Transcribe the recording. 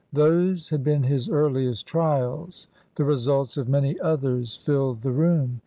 Those had been his earliest trials. The results of many others filled the room.